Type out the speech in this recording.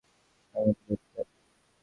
সাংবাদিকতা একটা ব্যাধি।